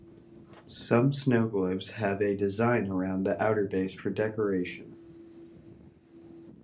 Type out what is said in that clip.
Some snow globes have a design around the outerbase for decoration.